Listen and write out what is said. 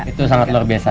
itu sangat luar biasa